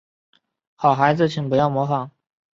好孩子请不要模仿